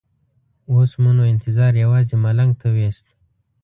اوس مو نو انتظار یوازې ملنګ ته وېست.